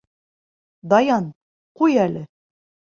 Даян, ҡуй әле!